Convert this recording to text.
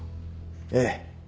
ええ。